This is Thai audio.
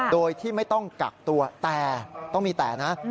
โดยที่ไม่ต้องกักตัวแต่ต้องมีแต่นะ